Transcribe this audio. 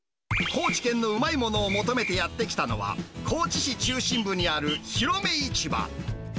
高知県のうまいものを求めてやって来たのは、高知市中心部にあるひろめ市場。